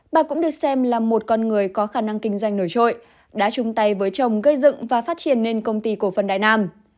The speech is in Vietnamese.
bà cũng được xem là một con người có khả năng kinh doanh nổi trội đã chung tay với chồng gây dựng và phát triển nên công ty cổ phần đại nam